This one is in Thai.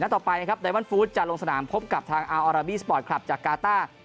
ต่อไปนะครับไดมอนฟู้ดจะลงสนามพบกับทางอาราบีสปอร์ตคลับจากกาต้า